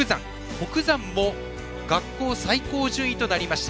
北山も学校最高順位となりました。